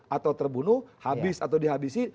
atau terbunuh habis atau dihabisi